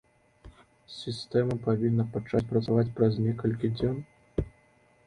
Сістэма павінна пачаць працаваць праз некалькі дзён.